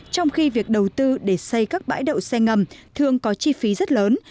trong khi việc đầu tư để xây các bãi đậu xe ngầm thường có chi phí rất lớn